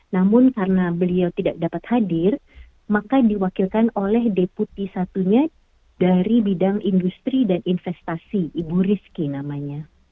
namun karena beliau tidak dapat hadir maka diwakilkan oleh deputi satunya dari bidang industri dan investasi ibu rizki namanya